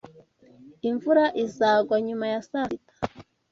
Imvura izagwa nyuma ya saa sita?